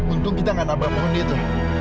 untung kita gak nabrak bondi itu